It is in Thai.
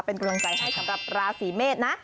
เป็นกำลังใจให้สำหรับราศีเมษนะ